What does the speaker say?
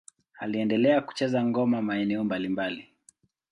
Aliendelea kucheza ngoma maeneo mbalimbali.